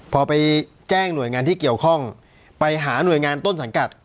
พอไปแจ้งหน่วยงานที่เกี่ยวข้องไปหาหน่วยงานต้นสังกัด